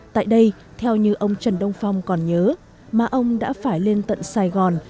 tại đây theo như ông trần đông phong còn nhớ má ông đã phải lên tận sài gòn